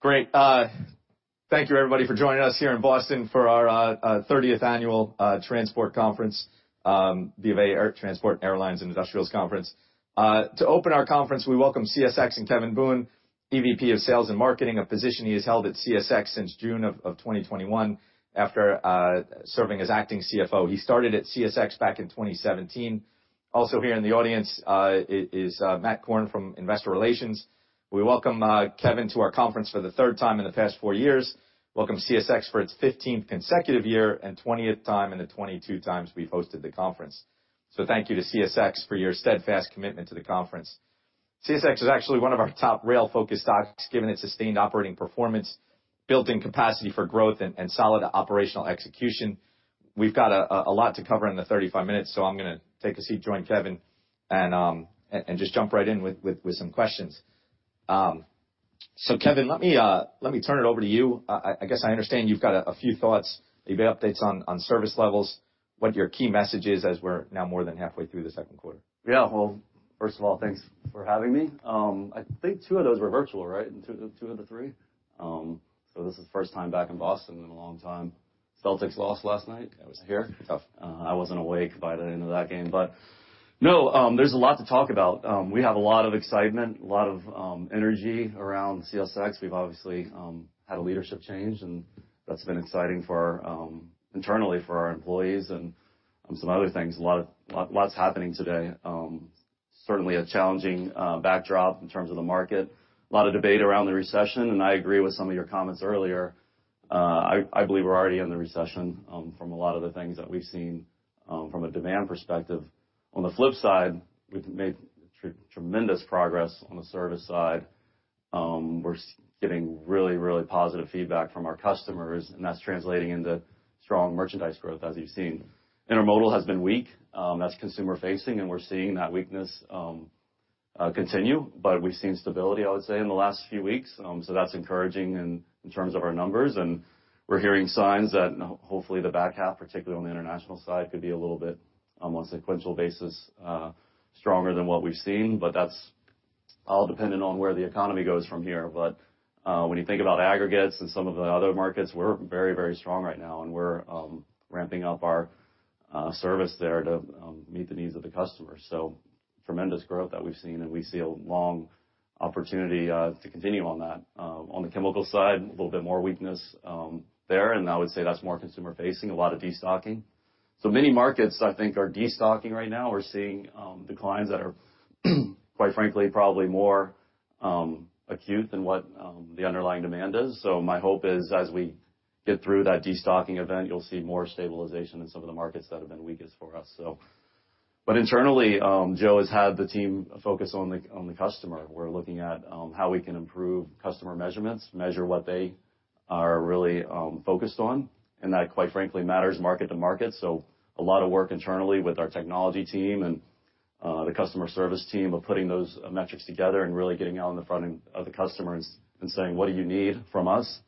Great. Thank you, everybody, for joining us here in Boston for our 30th annual transport conference, the BofA Transport Airlines and Industrials Conference. To open our conference, we welcome CSX and Kevin Boone, EVP of Sales and Marketing, a position he has held at CSX since June 2021 after serving as acting CFO. He started at CSX back in 2017. Also here in the audience is Matthew Korn from Investor Relations. We welcome Kevin to our conference for the 3rd time in the past 4 years, welcome CSX for its 15th consecutive year and 20th time in the 22x we've hosted the conference. Thank you to CSX for your steadfast commitment to the conference. CSX is actually one of our top rail-focused stocks given its sustained operating performance, built-in capacity for growth and solid operational execution. We've got a lot to cover in the 35 minutes, I'm gonna take a seat, join Kevin, and just jump right in with some questions. Kevin, let me turn it over to you. I guess I understand you've got a few thoughts. You have updates on service levels, what your key message is as we're now more than halfway through the second quarter. Yeah. Well, first of all, thanks for having me. I think two of those were virtual, right? Two of the three. This is the first time back in Boston in a long time. Celtics lost last night. Yeah, it was tough. I wasn't awake by the end of that game. No, there's a lot to talk about. We have a lot of excitement, a lot of energy around CSX. We've obviously had a leadership change, that's been exciting for our internally for our employees and some other things. A lot that's happening today. Certainly a challenging backdrop in terms of the market. A lot of debate around the recession. I agree with some of your comments earlier. I believe we're already in the recession from a lot of the things that we've seen from a demand perspective. On the flip side, we've made tremendous progress on the service side. We're getting really, really positive feedback from our customers, that's translating into strong merchandise growth as you've seen. Intermodal has been weak, that's consumer-facing, and we're seeing that weakness continue, but we've seen stability, I would say, in the last few weeks. That's encouraging in terms of our numbers. We're hearing signs that hopefully the back half, particularly on the international side, could be a little bit on sequential basis stronger than what we've seen. That's all dependent on where the economy goes from here. When you think about aggregates and some of the other markets, we're very, very strong right now, and we're ramping up our service there to meet the needs of the customer. Tremendous growth that we've seen, and we see a long opportunity to continue on that. On the chemical side, a little bit more weakness there, and I would say that's more consumer-facing, a lot of destocking. Many markets I think are destocking right now. We're seeing declines that are, quite frankly, probably more acute than what the underlying demand is. My hope is as we get through that destocking event, you'll see more stabilization in some of the markets that have been weakest for us, so. Internally, Joe has had the team focus on the customer. We're looking at how we can improve customer measurements, measure what they are really focused on, and that, quite frankly, matters market to market. A lot of work internally with our technology team and the customer service team of putting those metrics together and really getting out in the front end of the customers and saying, "What do you need from us?"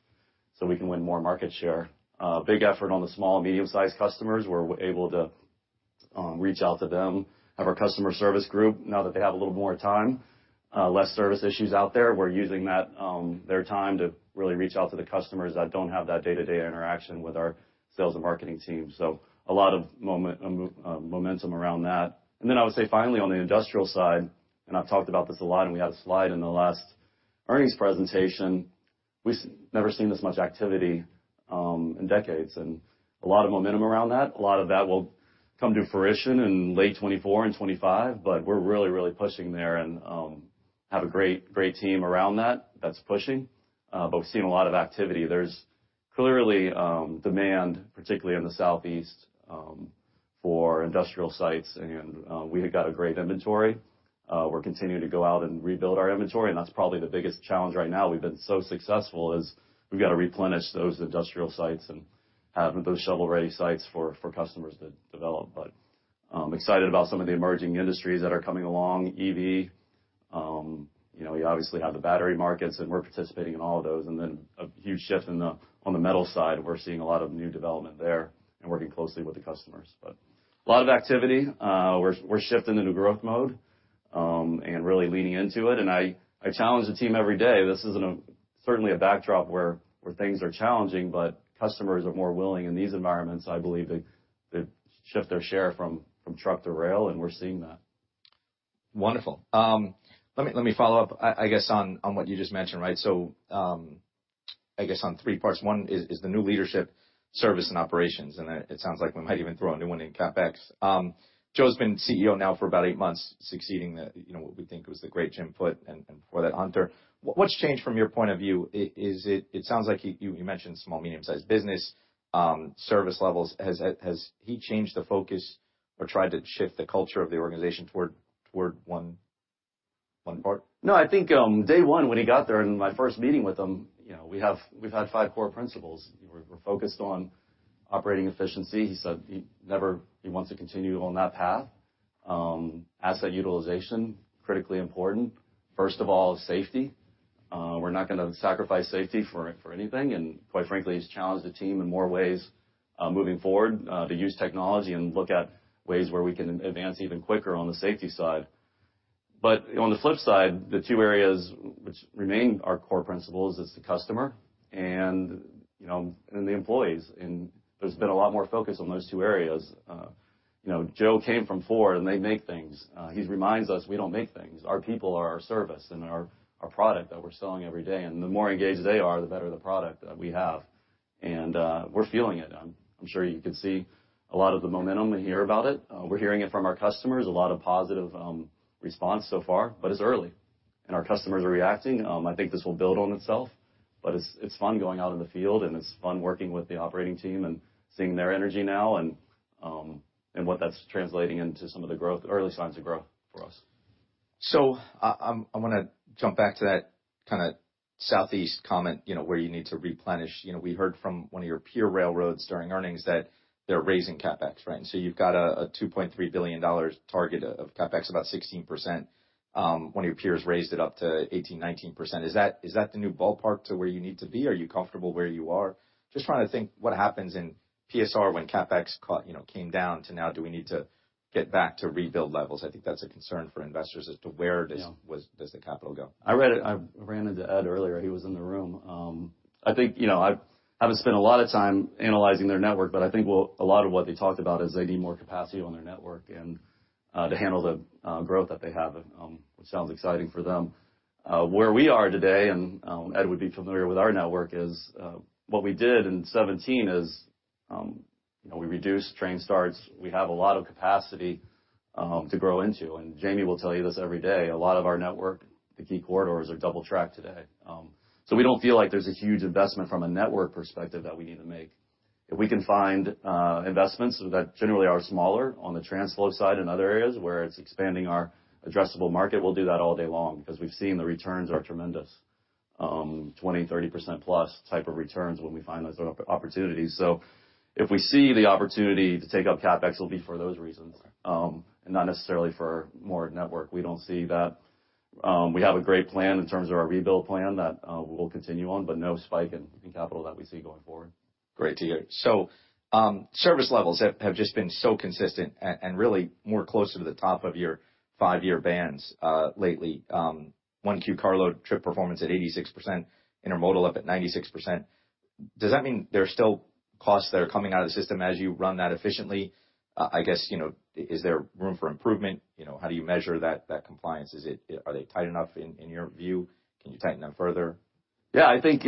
We can win more market share. Big effort on the small and medium-sized customers. We're able to reach out to them, have our customer service group now that they have a little more time, less service issues out there. We're using that their time to really reach out to the customers that don't have that day-to-day interaction with our sales and marketing team. A lot of momentum around that. I would say finally on the industrial side, I've talked about this a lot, We had a slide in the last earnings presentation, we've never seen this much activity in decades, A lot of momentum around that. A lot of that will come to fruition in late 2024 and 2025, We're really pushing there and have a great team around that's pushing. We've seen a lot of activity. There's clearly demand, particularly in the Southeast, for industrial sites, We have got a great inventory. We're continuing to go out and rebuild our inventory, That's probably the biggest challenge right now. We've been so successful is we've got to replenish those industrial sites and have those shovel-ready sites for customers to develop. Excited about some of the emerging industries that are coming along, EV. You know, we obviously have the battery markets, and we're participating in all of those. Then a huge shift on the metal side. We're seeing a lot of new development there and working closely with the customers. A lot of activity. We're shifting into growth mode and really leaning into it. I challenge the team every day. This isn't certainly a backdrop where things are challenging, but customers are more willing in these environments, I believe, to shift their share from truck to rail, and we're seeing that. Wonderful. let me follow up, I guess on what you just mentioned, right? I guess on 3 parts. One is the new leadership service and operations, and it sounds like we might even throw a new one in CapEx. Joe's been CEO now for about 8 months, succeeding the, you know, what we think was the great Jim Foote and before that Hunter. What's changed from your point of view? It sounds like you mentioned small, medium-sized business, service levels. Has he changed the focus or tried to shift the culture of the organization toward one part? No, I think, day one, when he got there, in my first meeting with him, you know, we've had five core principles. We're focused on operating efficiency. He said he wants to continue on that path. Asset utilization, critically important. First of all, safety. We're not gonna sacrifice safety for anything. Quite frankly, he's challenged the team in more ways. Moving forward, to use technology and look at ways where we can advance even quicker on the safety side. On the flip side, the two areas which remain our core principles is the customer and, you know, and the employees. There's been a lot more focus on those two areas. You know, Joe came from Ford, and they make things. He reminds us we don't make things. Our people are our service and our product that we're selling every day. The more engaged they are, the better the product that we have. We're feeling it. I'm sure you can see a lot of the momentum and hear about it. We're hearing it from our customers, a lot of positive response so far, but it's early, and our customers are reacting. I think this will build on itself, but it's fun going out in the field, and it's fun working with the operating team and seeing their energy now and what that's translating into some of the early signs of growth for us. I'm gonna jump back to that kinda southeast comment, you know, where you need to replenish. You know, we heard from one of your peer railroads during earnings that they're raising CapEx, right? You've got a $2.3 billion target of CapEx, about 16%. One of your peers raised it up to 18%-19%. Is that, is that the new ballpark to where you need to be? Are you comfortable where you are? Just trying to think what happens in PSR when CapEx, you know, came down to now do we need to get back to rebuild levels. I think that's a concern for investors as to where this- Yeah. Does the capital go? I read it. I ran into Ed earlier. He was in the room. I think, you know, I haven't spent a lot of time analyzing their network, but I think a lot of what they talked about is they need more capacity on their network to handle the growth that they have, which sounds exciting for them. Where we are today, and Ed would be familiar with our network, is what we did in 17 is, you know, we reduced train starts. We have a lot of capacity to grow into. Jamie will tell you this every day, a lot of our network, the key corridors are double track today. We don't feel like there's a huge investment from a network perspective that we need to make. If we can find investments that generally are smaller on the TRANSFLO side and other areas where it's expanding our addressable market, we'll do that all day long because we've seen the returns are tremendous. 20%, 30%+ type of returns when we find those opportunities. If we see the opportunity to take up CapEx, it'll be for those reasons and not necessarily for more network. We don't see that. We have a great plan in terms of our rebuild plan that we'll continue on, but no spike in capital that we see going forward. Great to hear. Service levels have just been so consistent and really more closer to the top of your five-year bands, lately. 1Q carload trip performance at 86%, intermodal up at 96%. Does that mean there are still costs that are coming out of the system as you run that efficiently? I guess, you know, is there room for improvement? You know, how do you measure that compliance? Are they tight enough in your view? Can you tighten them further? Yeah. I think,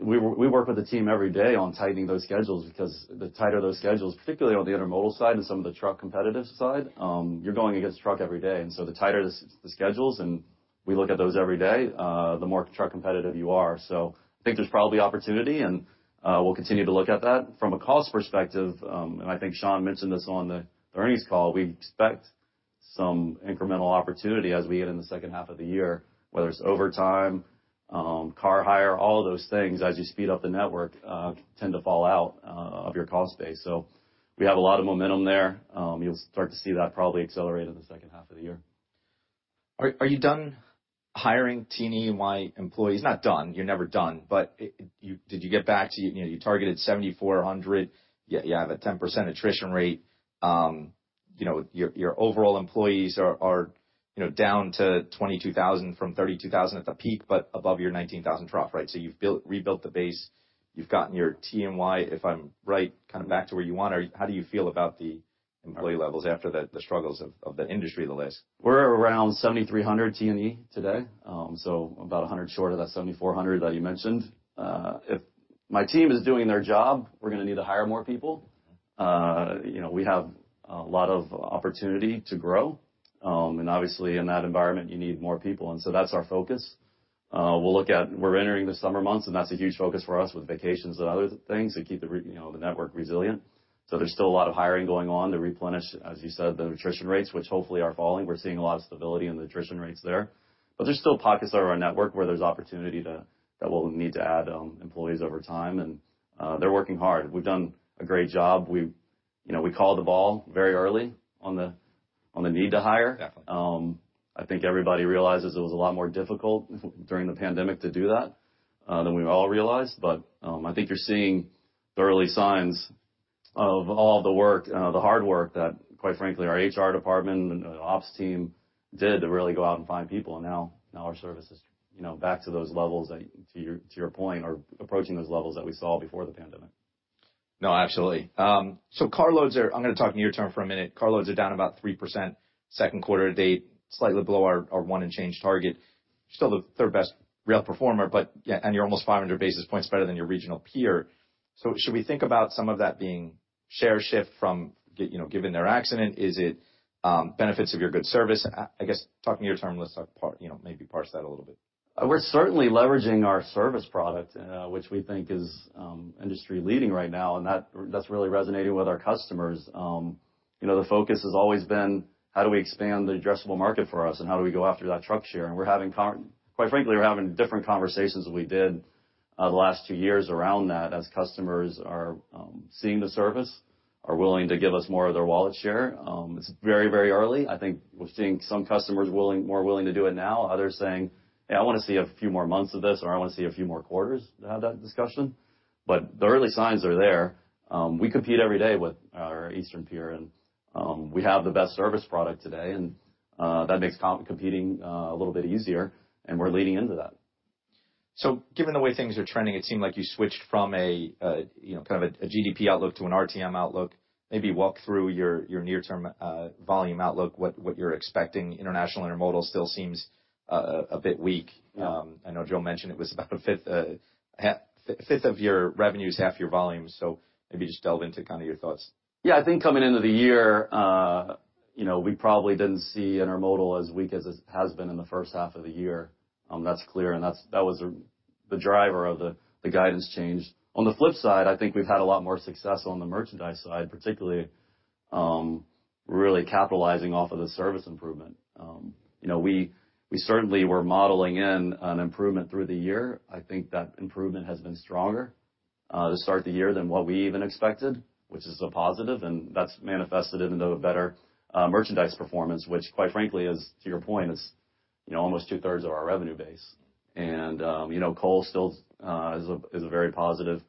we work with the team every d ay on tightening those schedules because the tighter those schedules, particularly on the intermodal side and some of the truck competitive side, you're going against truck every day. The tighter the schedules, and we look at those every day, the more truck competitive you are. I think there's probably opportunity, and we'll continue to look at that. From a cost perspective, and I think Sean mentioned this on the earnings call, we expect some incremental opportunity as we get in the second half of the year, whether it's overtime, car hire, all of those things as you speed up the network, tend to fall out of your cost base. We have a lot of momentum there. You'll start to see that probably accelerate in the second half of the year. Are you done hiring T&E employees? Not done, you're never done, but did you get back to, you know, you targeted 7,400. You have a 10% attrition rate. you know, your overall employees are, you know, down to 22,000 from 32,000 at the peak, but above your 19,000 trough, right? You've rebuilt the base. You've gotten your TMY, if I'm right, kind of back to where you want. How do you feel about the employee levels after the struggles of the industry the last? We're around 7,300 T&E today, about 100 short of that 7,400 that you mentioned. If my team is doing their job, we're gonna need to hire more people. You know, we have a lot of opportunity to grow. Obviously, in that environment you need more people, that's our focus. We're entering the summer months, and that's a huge focus for us with vacations and other things to keep the network resilient. There's still a lot of hiring going on to replenish, as you said, the attrition rates, which hopefully are falling. We're seeing a lot of stability in the attrition rates there. There's still pockets of our network where there's opportunity that we'll need to add employees over time. They're working hard. We've done a great job. You know, we called the ball very early on the need to hire. Definitely. I think everybody realizes it was a lot more difficult during the pandemic to do that than we all realized. I think you're seeing the early signs of all the work, the hard work that, quite frankly, our HR department and ops team did to really go out and find people. Now our service is, you know, back to those levels that, to your point, are approaching those levels that we saw before the pandemic. No, absolutely. I'm gonna talk near term for a minute. Car loads are down about 3% second quarter to date, slightly below our 1 and change target. Still the third best rail performer, but yeah, and you're almost 500 basis points better than your regional peer. Should we think about some of that being share shift from, you know, given their accident? Is it benefits of your good service? I guess talking to your term, let's talk, you know, maybe parse that a little bit. We're certainly leveraging our service product, which we think is industry leading right now, and that's really resonating with our customers. You know, the focus has always been how do we expand the addressable market for us, and how do we go after that truck share? We're having quite frankly, we're having different conversations than we did the last two years around that as customers are seeing the service. Are willing to give us more of their wallet share. It's very, very early. I think we're seeing some customers more willing to do it now, others saying, "Hey, I wanna see a few more months of this," or, "I wanna see a few more quarters to have that discussion." The early signs are there. We compete every day with our eastern peer and, we have the best service product today, and, that makes competing, a little bit easier, and we're leaning into that. Given the way things are trending, it seemed like you switched from a, you know, kind of a GDP outlook to an RTM outlook. Maybe walk through your near-term volume outlook, what you're expecting. International Intermodal still seems a bit weak. I know Joe mentioned it was about a fifth of your revenues, half your volume. Maybe just delve into kinda your thoughts. Yeah. I think coming into the year, you know, we probably didn't see Intermodal as weak as it has been in the first half of the year. That's clear, and that was the driver of the guidance change. On the flip side, I think we've had a lot more success on the merchandise side, particularly, really capitalizing off of the service improvement. You know, we certainly were modeling in an improvement through the year. I think that improvement has been stronger to start the year than what we even expected, which is a positive, and that's manifested into a better merchandise performance, which quite frankly is, to your point, is, you know, almost two-thirds of our revenue base. You know, coal still is a very positive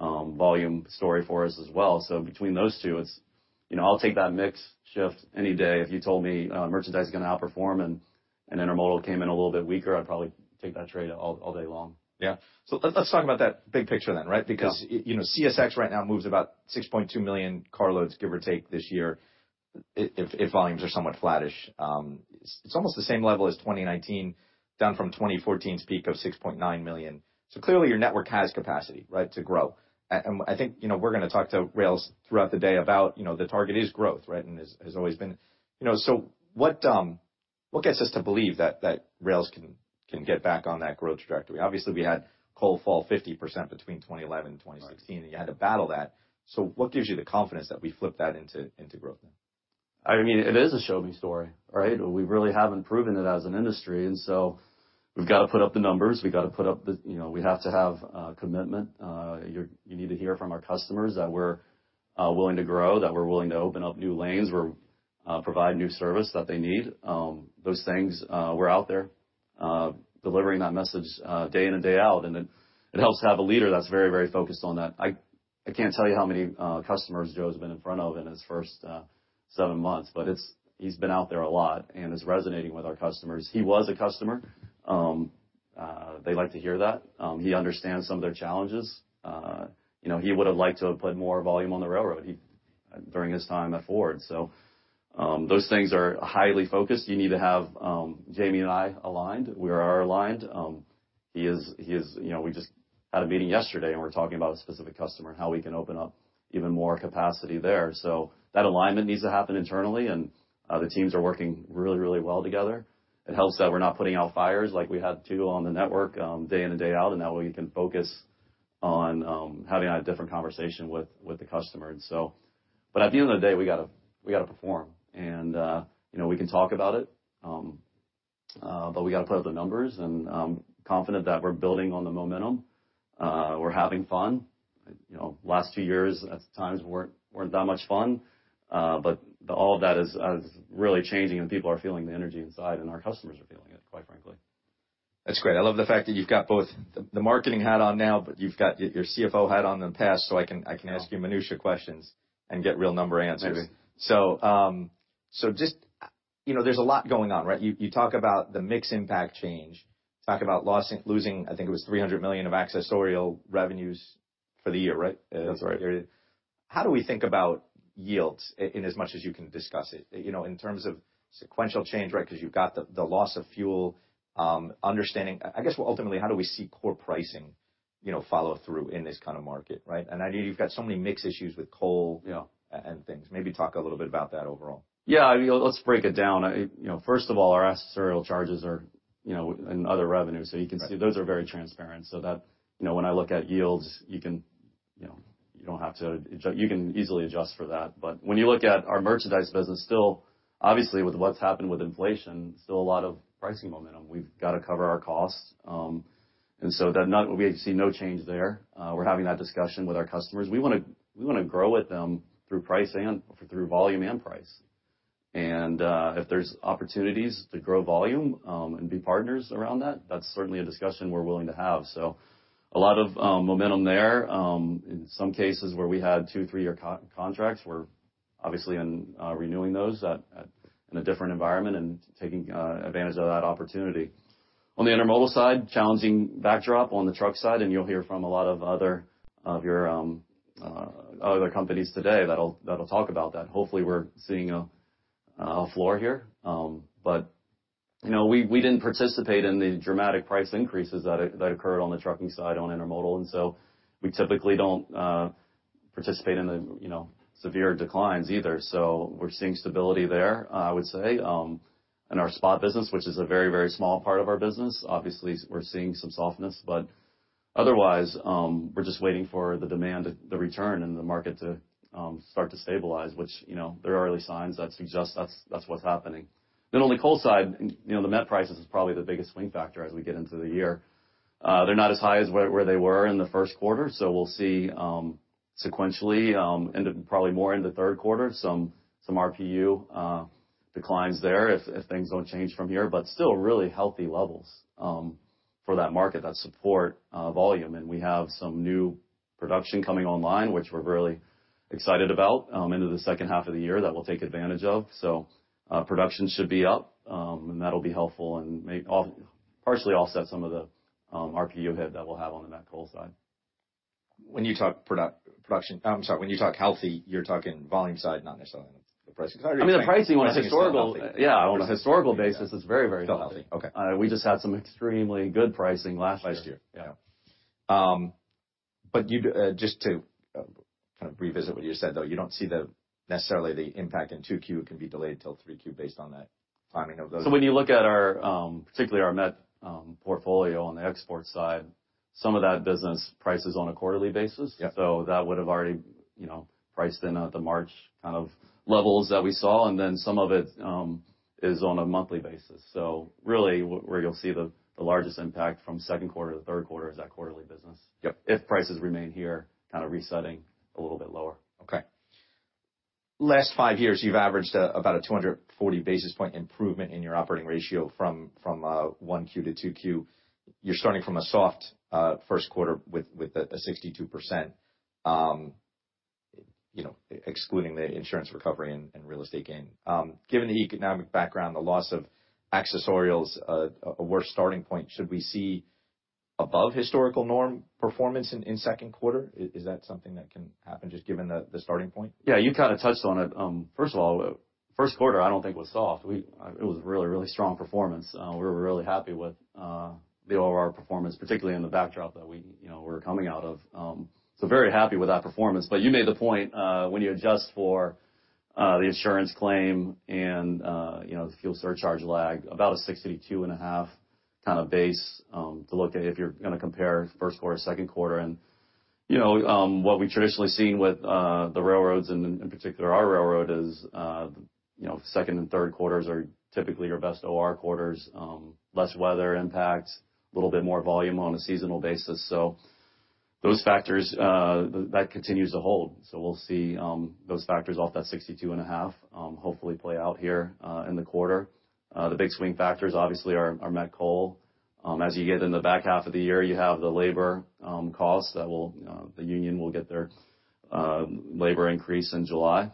volume story for us as well. Between those two, it's. You know, I'll take that mix shift any day. If you told me, merchandise is gonna outperform and Intermodal came in a little bit weaker, I'd probably take that trade all day long. Yeah. Let's talk about that big picture then, right? Yeah. Because, you know, CSX right now moves about 6.2 million car loads, give or take this year, if volumes are somewhat flattish. It's almost the same level as 2019, down from 2014's peak of 6.9 million. Clearly, your network has capacity, right, to grow. I think, you know, we're gonna talk to rails throughout the day about, you know, the target is growth, right? Has always been. You know, what gets us to believe that rails can get back on that growth trajectory? Obviously, we had coal fall 50% between 2011 and 2016. Right. You had to battle that. What gives you the confidence that we flip that into growth now? I mean, it is a show me story, right? We really haven't proven it as an industry, we've gotta put up the numbers. You know, we have to have commitment. You need to hear from our customers that we're willing to grow, that we're willing to open up new lanes. We're provide new service that they need. Those things, we're out there delivering that message day in and day out, and it helps to have a leader that's very focused on that. I can't tell you how many customers Joe's been in front of in his first seven months, but he's been out there a lot and is resonating with our customers. He was a customer. They like to hear that. He understands some of their challenges. You know, he would've liked to have put more volume on the railroad, during his time at Ford. Those things are highly focused. You need to have Jamie and I aligned. We are aligned. He is, you know, we just had a meeting yesterday, and we're talking about a specific customer and how we can open up even more capacity there. That alignment needs to happen internally, and the teams are working really, really well together. It helps that we're not putting out fires like we had to on the network, day in and day out, and that way we can focus on having a different conversation with the customer. At the end of the day, we gotta perform. You know, we can talk about it, but we gotta put up the numbers, and I'm confident that we're building on the momentum. We're having fun. You know, last two years at times weren't that much fun, but all of that is really changing, and people are feeling the energy inside, and our customers are feeling it, quite frankly. That's great. I love the fact that you've got both the marketing hat on now, but you've got your CFO hat on in the past, so I can ask you minutiae questions and get real number answers. Maybe. just, you know, there's a lot going on, right? You talk about the mix impact change. Talk about losing, I think it was $300 million of accessorial revenues for the year, right? That's right. How do we think about yields in as much as you can discuss it? You know, in terms of sequential change, right? 'Cause you've got the loss of fuel, understanding... I guess ultimately, how do we see core pricing, you know, follow through in this kind of market, right? I know you've got so many mix issues with coal. Yeah. things. Maybe talk a little bit about that overall. Yeah. I mean, let's break it down. I, you know, first of all, our accessorial charges are, you know, in other revenues. Right. You can see those are very transparent. That, you know, when I look at yields, you can, you know, you can easily adjust for that. When you look at our merchandise business, still, obviously, with what's happened with inflation, still a lot of pricing momentum. We've gotta cover our costs. And so we see no change there. We're having that discussion with our customers. We wanna grow with them through volume and price. If there's opportunities to grow volume, and be partners around that's certainly a discussion we're willing to have. A lot of momentum there. In some cases where we had two, three-year contracts, we're obviously in renewing those in a different environment and taking advantage of that opportunity. On the Intermodal side, challenging backdrop on the truck side, you'll hear from a lot of other companies today that'll talk about that. Hopefully, we're seeing a floor here. You know, we didn't participate in the dramatic price increases that occurred on the trucking side on Intermodal. We typically don't participate in the, you know, severe declines either. We're seeing stability there, I would say. In our spot business, which is a very, very small part of our business, obviously, we're seeing some softness. Otherwise, we're just waiting for the demand, the return, and the market to start to stabilize, which, you know, there are early signs that suggest that's what's happening. On the coal side, you know, the met prices is probably the biggest swing factor as we get into the year. They're not as high as where they were in the 1st quarter, so we'll see sequentially probably more in the 3rd quarter, some RPU declines there if things don't change from here. Still really healthy levels for that market, that support volume. We have some new production coming online, which we're really excited about into the 2nd half of the year that we'll take advantage of. Production should be up and that'll be helpful and partially offset some of the RPU hit that we'll have on the met coal side. When you talk production I'm sorry, when you talk healthy, you're talking volume side, not necessarily the pricing side. I mean, the pricing on a historical- .Yeah, on a historical basis, it's very, very healthy. Okay. We just had some extremely good pricing last year. Last year. Yeah. Yeah. Just to kind of revisit what you just said, though, you don't see the, necessarily the impact in 2Q can be delayed till 3Q based on that timing of those? When you look at our, particularly our met coal portfolio on the export side, some of that business prices on a quarterly basis. Yeah. That would've already, you know, priced in at the March kind of levels that we saw. Then some of it is on a monthly basis. Really where you'll see the largest impact from second quarter to third quarter is that quarterly business. Yep. If prices remain here, kind of resetting a little bit lower. Okay. Last 5 years, you've averaged about a 240 basis point improvement in your operating ratio from 1Q to 2Q. You're starting from a soft first quarter with a 62%, you know, excluding the insurance recovery and real estate gain. Given the economic background, the loss of accessorials, a worse starting point, should we see above historical norm performance in second quarter? Is that something that can happen just given the starting point? Yeah, you kinda touched on it. First of all, first quarter I don't think was soft. It was really, really strong performance. We were really happy with the OR performance, particularly in the backdrop that we, you know, we're coming out of. Very happy with that performance. You made the point when you adjust for the insurance claim and, you know, the fuel surcharge lag, about a 62.5% kinda base to look at if you're gonna compare first quarter, second quarter. You know, what we traditionally seen with the railroads and in particular our railroad is, you know, second and third quarters are typically your best OR quarters, less weather impact, a little bit more volume on a seasonal basis. Those factors that continues to hold. We'll see those factors off that 62 and a half hopefully play out here in the quarter. The big swing factors obviously are met coal. As you get in the back half of the year, you have the labor costs that will the union will get their labor increase in July.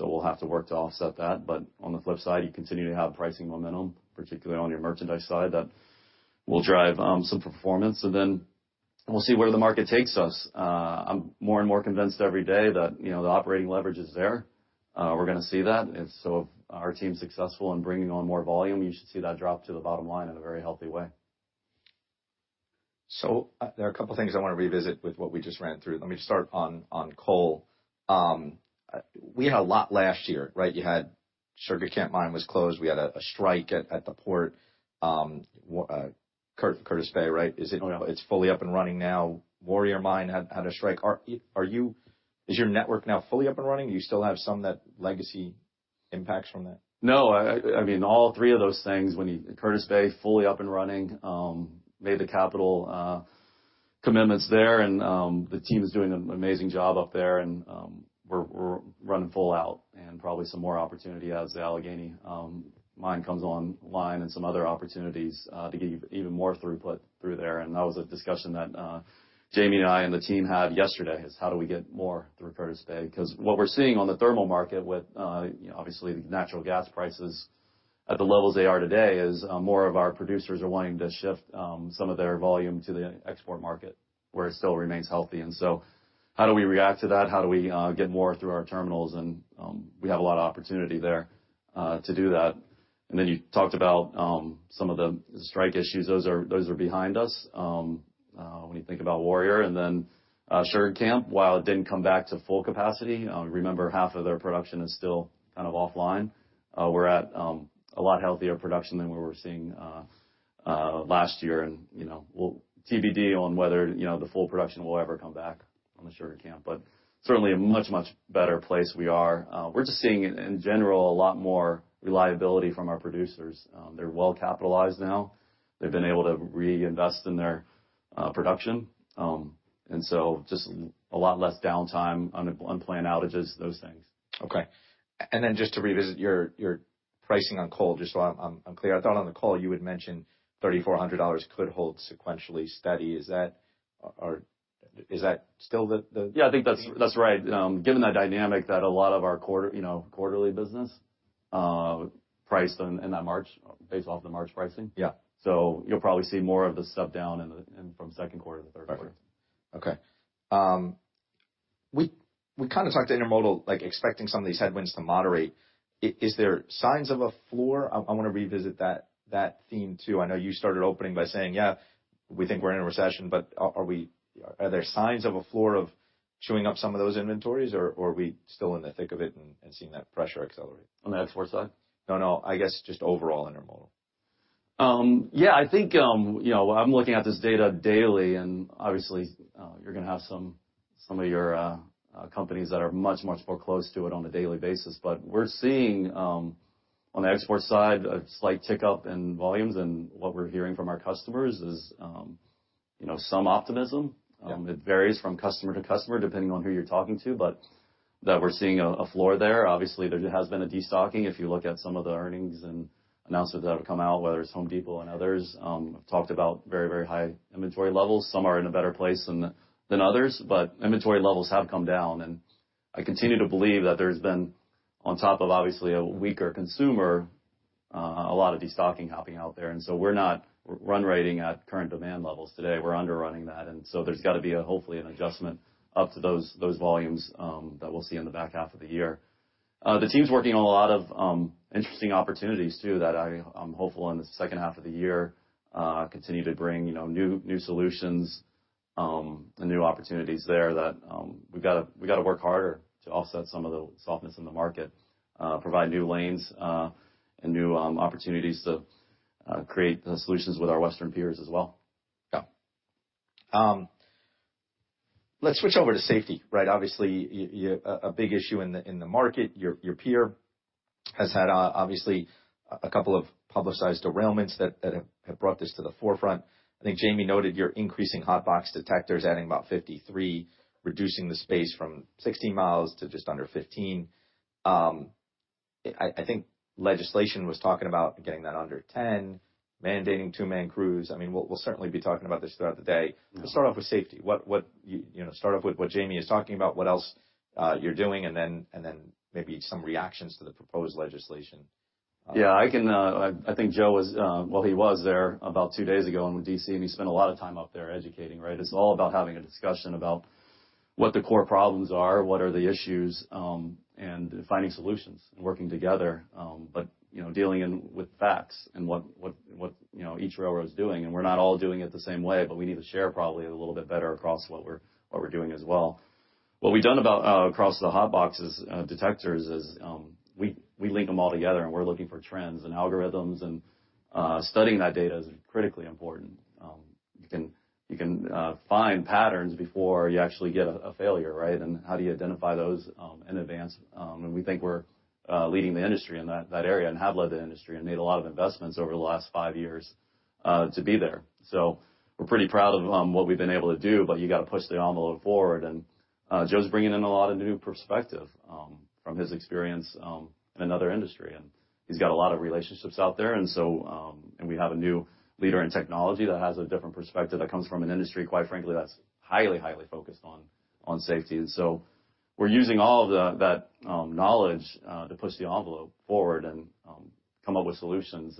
We'll have to work to offset that. On the flip side, you continue to have pricing momentum, particularly on your merchandise side that will drive some performance. Then we'll see where the market takes us. I'm more and more convinced every day that, you know, the operating leverage is there. We're gonna see that. If our team's successful in bringing on more volume, you should see that drop to the bottom line in a very healthy way. There are a couple things I wanna revisit with what we just ran through. Let me start on coal. We had a lot last year, right? You had Sugar Camp mine was closed. We had a strike at the port, Curtis Bay, right? Is it. Oh, yeah. It's fully up and running now. Warrior Mine had a strike. Is your network now fully up and running? Do you still have some of that legacy impacts from that? No. I mean, all three of those things when you... Curtis Bay, fully up and running, made the capital commitments there, and the team is doing an amazing job up there and we're running full out and probably some more opportunity as the Allegheny mine comes online and some other opportunities to give even more throughput through there. That was a discussion that Jamie and I and the team had yesterday, is how do we get more through Curtis Bay? 'Cause what we're seeing on the thermal market with, you know, obviously natural gas prices at the levels they are today is more of our producers are wanting to shift some of their volume to the export market where it still remains healthy. How do we react to that? How do we get more through our terminals? We have a lot of opportunity there to do that. You talked about some of the strike issues. Those are behind us. When you think about Warrior Met Coal and then Sugar Camp, while it didn't come back to full capacity, remember half of their production is still kind of offline. We're at a lot healthier production than we were seeing last year. You know, we'll TBD on whether, you know, the full production will ever come back on the Sugar Camp. Certainly a much better place we are. We're just seeing in general a lot more reliability from our producers. They're well-capitalized now. They've been able to reinvest in their production. just a lot less downtime, unplanned outages, those things. Okay. Just to revisit your pricing on coal, just so I'm clear. I thought on the call you had mentioned $3,400 could hold sequentially steady. Is that, is that still the... Yeah, I think that's right. Given the dynamic that a lot of our quarter, you know, quarterly business, priced in that based off the March pricing. Yeah. You'll probably see more of the step down from second quarter to the third quarter. Okay. we kinda talked intermodal, like expecting some of these headwinds to moderate. Is there signs of a floor? I wanna revisit that theme too. I know you started opening by saying, "Yeah, we think we're in a recession," but are there signs of a floor of chewing up some of those inventories or are we still in the thick of it and seeing that pressure accelerate? On the export side? No, no, I guess just overall intermodal. Yeah, I think, you know, I'm looking at this data daily. Obviously, you're gonna have some of your companies that are much, much more close to it on a daily basis. We're seeing, on the export side, a slight tick up in volumes. What we're hearing from our customers is, you know, some optimism. Yeah. It varies from customer to customer, depending on who you're talking to, but that we're seeing a floor there. Obviously, there has been a destocking. If you look at some of the earnings and announcements that have come out, whether it's The Home Depot and others, have talked about very, very high inventory levels. Some are in a better place than others, but inventory levels have come down. I continue to believe that there's been, on top of obviously a weaker consumer, a lot of destocking happening out there. We're not run-rating at current demand levels today. We're underrunning that. There's gotta be hopefully an adjustment up to those volumes, that we'll see in the back half of the year. The team's working on a lot of interesting opportunities too, that I'm hopeful in the second half of the year, continue to bring, you know, new solutions, and new opportunities there that we gotta work harder to offset some of the softness in the market. Provide new lanes, and new opportunities to create the solutions with our western peers as well. Yeah. Let's switch over to safety, right? Obviously, a big issue in the market. Your peer has had obviously, a couple of publicized derailments that have brought this to the forefront. I think Jamie noted you're increasing hotbox detectors, adding about 53, reducing the space from 16 miles to just under 15. I think legislation was talking about getting that under 10, mandating two-man crews. I mean, we'll certainly be talking about this throughout the day. Yeah. Start off with safety. What you know, start off with what Jamie is talking about, what else you're doing, and then maybe some reactions to the proposed legislation. I think Joe was there about two days ago in D.C., and he spent a lot of time up there educating, right? It's all about having a discussion about what the core problems are, what are the issues, and finding solutions and working together, but, you know, dealing in with facts and what, you know, each railroad is doing. We're not all doing it the same way, but we need to share probably a little bit better across what we're doing as well. What we've done about across the hotbox detectors is we link them all together, and we're looking for trends and algorithms, and studying that data is critically important. You can find patterns before you actually get a failure, right? How do you identify those, in advance? We think we're leading the industry in that area and have led the industry and made a lot of investments over the last five years, to be there. We're pretty proud of what we've been able to do, but you gotta push the envelope forward. Joe's bringing in a lot of new perspective, from his experience, in another industry, and he's got a lot of relationships out there. We have a new leader in technology that has a different perspective that comes from an industry, quite frankly, that's highly focused on safety. We're using all of that knowledge, to push the envelope forward and come up with solutions.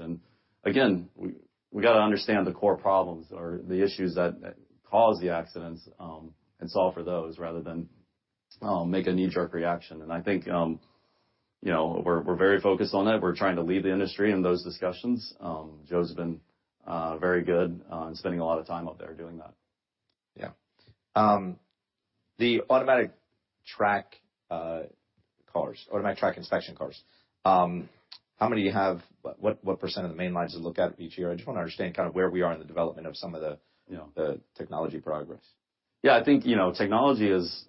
Again, we gotta understand the core problems or the issues that cause the accidents, and solve for those rather than make a knee-jerk reaction. I think, you know, we're very focused on that. We're trying to lead the industry in those discussions. Joe's been very good in spending a lot of time out there doing that. Yeah. The automatic track inspection cars. What % of the main lines to look at each year? I just wanna understand kind of where we are in the development of some of the. Yeah The technology progress. Yeah, I think, you know, technology is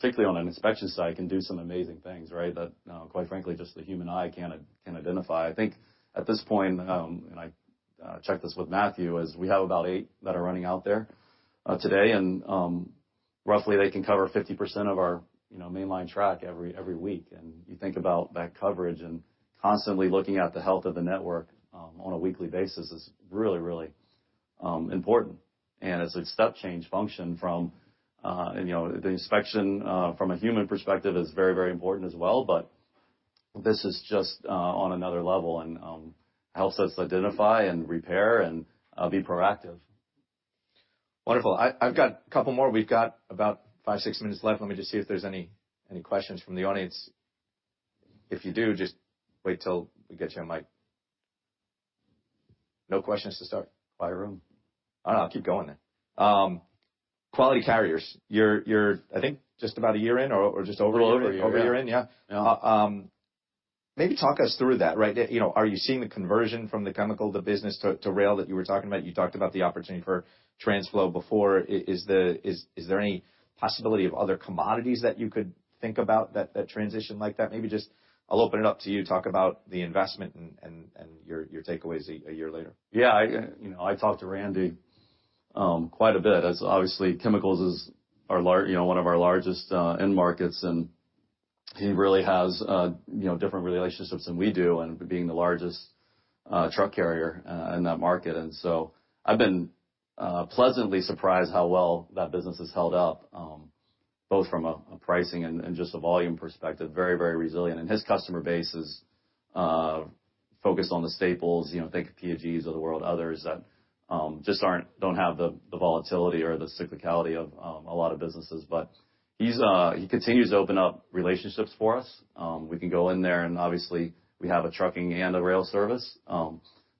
particularly on an inspection site, can do some amazing things, right? That quite frankly, just the human eye can't identify. I think at this point, and I checked this with Matthew, is we have about eight that are running out there today. Roughly, they can cover 50% of our, you know, main line track every week. You think about that coverage and constantly looking at the health of the network, on a weekly basis is really, really important. It's a step change function from, you know, the inspection, from a human perspective is very, very important as well, but this is just on another level, and helps us identify and repair and be proactive. Wonderful. I've got a couple more. We've got about five, six minutes left. Let me just see if there's any questions from the audience. If you do, just wait till we get you on mic. No questions to start. Quiet room. I'll keep going. Quality Carriers. You're, I think, just about a year in or just over a year. Over a year, yeah. Over a year in, yeah. Yeah. Maybe talk us through that, right? You know, are you seeing the conversion from the chemical business to rail that you were talking about? You talked about the opportunity for TRANSFLO before. Is there any possibility of other commodities that you could think about that transition like that? Maybe just I'll open it up to you, talk about the investment and your takeaways a year later. Yeah, I, you know, I talked to Randy quite a bit, as obviously chemicals is our, you know, one of our largest end markets, and he really has, you know, different relationships than we do and being the largest truck carrier in that market. I've been pleasantly surprised how well that business has held up, both from a pricing and just a volume perspective, very, very resilient. His customer base is focused on the staples, you know, think of P&Gs of the world, others that just don't have the volatility or the cyclicality of a lot of businesses. He continues to open up relationships for us. We can go in there, and obviously, we have a trucking and a rail service.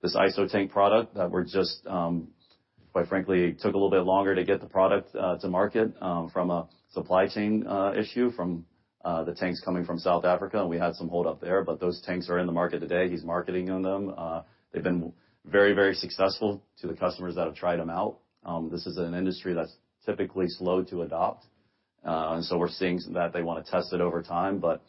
This ISO tank product that we're just, quite frankly, took a little bit longer to get the product to market, from a supply chain issue from the tanks coming from South Africa, and we had some hold up there, but those tanks are in the market today. He's marketing on them. They've been very, very successful to the customers that have tried them out. This is an industry that's typically slow to adopt. So we're seeing that they wanna test it over time, but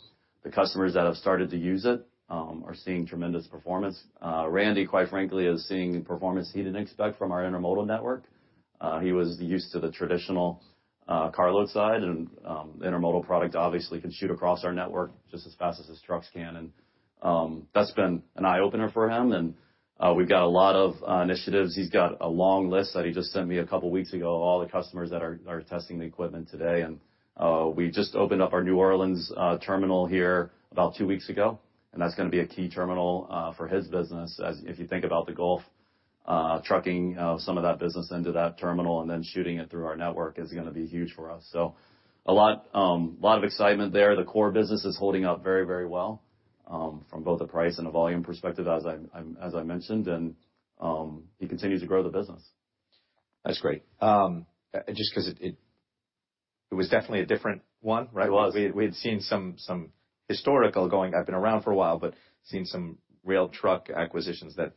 the customers that have started to use it, are seeing tremendous performance. Randy, quite frankly, is seeing performance he didn't expect from our intermodal network. He was used to the traditional carload side, and intermodal product obviously can shoot across our network just as fast as his trucks can. That's been an eye-opener for him. We've got a lot of initiatives. He's got a long list that he just sent me a couple weeks ago, all the customers that are testing the equipment today. We just opened up our New Orleans terminal here about two weeks ago, and that's gonna be a key terminal for his business as if you think about the Gulf. Trucking some of that business into that terminal and then shooting it through our network is gonna be huge for us. A lot of excitement there. The core business is holding up very, very well from both a price and a volume perspective, as I mentioned, he continues to grow the business. That's great. just 'cause it was definitely a different one, right? It was. We had seen some historical going, I've been around for a while, but seen some rail truck acquisitions that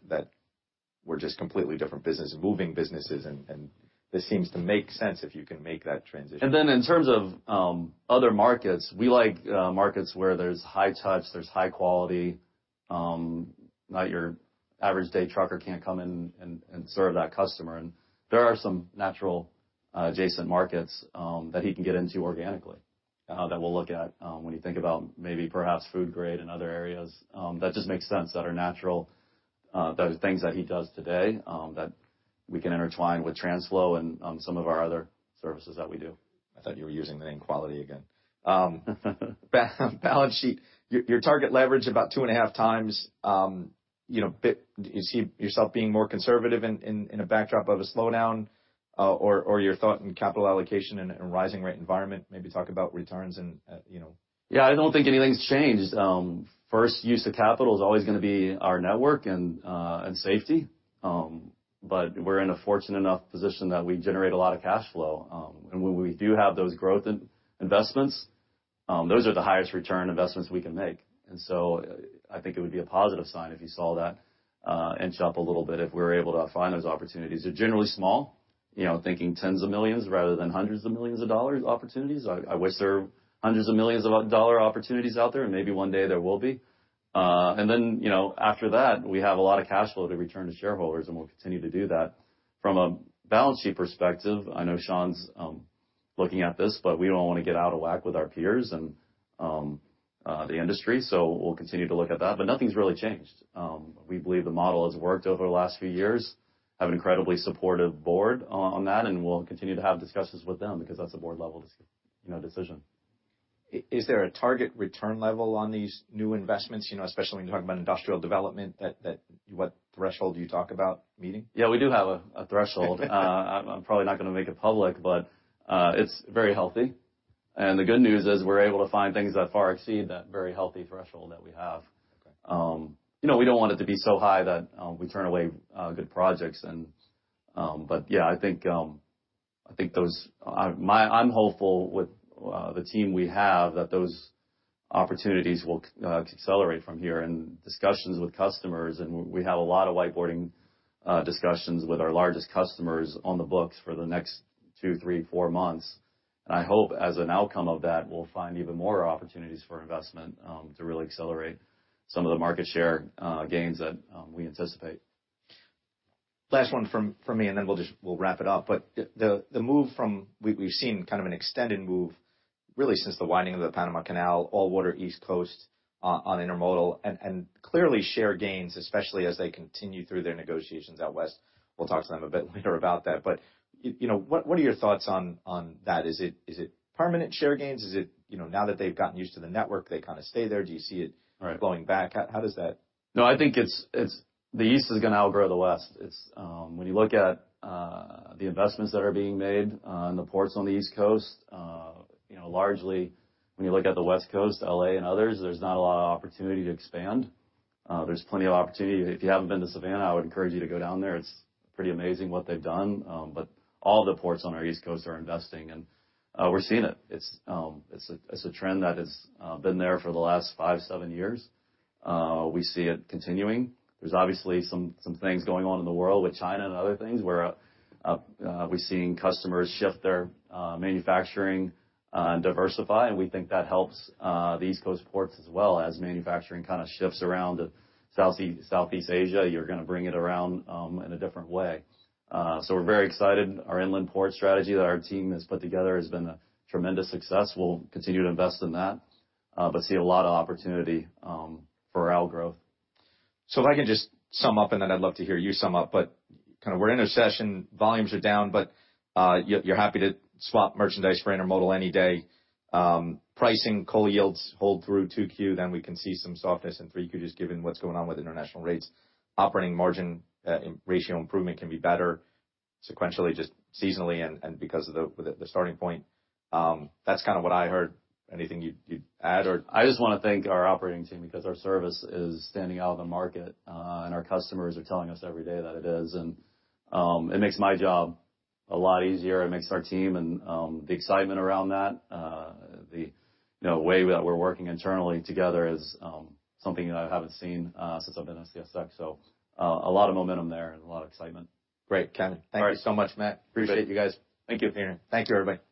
were just completely different business, moving businesses, and this seems to make sense if you can make that transition. Then in terms of other markets, we like markets where there's high touch, there's high quality, not your average day trucker can't come in and serve that customer. There are some natural adjacent markets that he can get into organically that we'll look at when you think about maybe perhaps food grade and other areas that just make sense, that are natural, that are things that he does today, that we can intertwine with TRANSFLO and some of our other services that we do. I thought you were using the name Quality again. balance sheet. Your target leverage about 2.5x. you know, do you see yourself being more conservative in a backdrop of a slowdown, or your thought in capital allocation in a rising rate environment? Maybe talk about returns and, you know. Yeah, I don't think anything's changed. First use of capital is always gonna be our network and safety. We're in a fortunate enough position that we generate a lot of cash flow. When we do have those growth investments, those are the highest return investments we can make. I think it would be a positive sign if you saw that inch up a little bit, if we're able to find those opportunities. They're generally small, you know, thinking $10 million rather than $100 million opportunities. I wish there were $100 million opportunities out there, and maybe one day there will be. You know, after that, we have a lot of cash flow to return to shareholders, and we'll continue to do that. From a balance sheet perspective, I know Sean's looking at this, but we don't wanna get out of whack with our peers and the industry, so we'll continue to look at that. Nothing's really changed. We believe the model has worked over the last few years, have an incredibly supportive board on that, and we'll continue to have discussions with them because that's a board level you know, decision. Is there a target return level on these new investments? You know, especially when you talk about industrial development that, what threshold do you talk about meeting? Yeah, we do have a threshold. I'm probably not gonna make it public, but it's very healthy. The good news is we're able to find things that far exceed that very healthy threshold that we have. You know, we don't want it to be so high that we turn away good projects and... Yeah, I think I'm hopeful with the team we have that those opportunities will accelerate from here and discussions with customers, and we have a lot of whiteboarding discussions with our largest customers on the books for the next 2, 3, 4 months. I hope as an outcome of that, we'll find even more opportunities for investment to really accelerate some of the market share gains that we anticipate. Last one from me, and then we'll just, we'll wrap it up. The move from we've seen kind of an extended move really since the winding of the Panama Canal, all water East Coast on intermodal, and clearly share gains, especially as they continue through their negotiations out west. We'll talk to them a bit later about that. You know, what are your thoughts on that? Is it permanent share gains? Is it, you know, now that they've gotten used to the network, they kinda stay there? Do you see it? Right. flowing back? How does that. No, I think it's, the East is gonna outgrow the West. It's, when you look at, the investments that are being made on the ports on the East Coast, you know, largely when you look at the West Coast, L.A. and others, there's not a lot of opportunity to expand. There's plenty of opportunity. If you haven't been to Savannah, I would encourage you to go down there. It's pretty amazing what they've done. All the ports on our East Coast are investing, and, we're seeing it. It's, it's a, it's a trend that has, been there for the last five, seven years. We see it continuing. There's obviously some things going on in the world with China and other things where we're seeing customers shift their manufacturing and diversify, and we think that helps the East Coast ports as well as manufacturing kinda shifts around to Southeast Asia. You're gonna bring it around in a different way. We're very excited. Our inland port strategy that our team has put together has been a tremendous success. We'll continue to invest in that, but see a lot of opportunity for our growth. If I can just sum up, and then I'd love to hear you sum up, but kinda we're in a session, volumes are down, but you're happy to swap merchandise for intermodal any day. Pricing, coal yields hold through 2Q, then we can see some softness in 3Q, just given what's going on with international rates. Operating margin ratio improvement can be better sequentially, just seasonally and because of the starting point. That's kinda what I heard. Anything you'd add or- I just wanna thank our operating team because our service is standing out in the market, and our customers are telling us every day that it is. It makes my job a lot easier. It makes our team and the excitement around that, the, you know, way that we're working internally together is something that I haven't seen since I've been at CSX. A lot of momentum there and a lot of excitement. Great. Okay. All right. Thank you so much, Matt. Appreciate you guys. Thank you. Thank you, everybody.